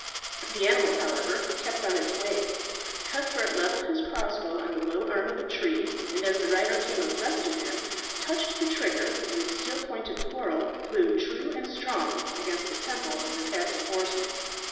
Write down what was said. The animal, however, kept on its way. Cuthbert levelled his crossbow on the low arm of a tree, and as the rider came abreast of him touched the trigger, and the steel pointed quarrel flew true and strong against the temple of the passing horseman.